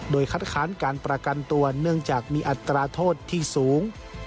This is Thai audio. โดยคัดค้านการประกันตัวเนื่องจากมีอัตราโทษที่สูง